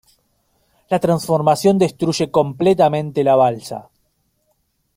La transformación destruye completamente la Balsa.